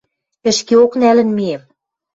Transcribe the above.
Ӹшкеок нӓлӹн миэм...